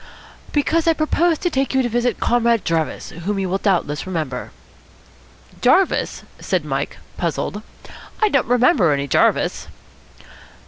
"Because I propose to take you to visit Comrade Jarvis, whom you will doubtless remember." "Jarvis?" said Mike, puzzled. "I don't remember any Jarvis."